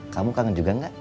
kamu kangen juga enggak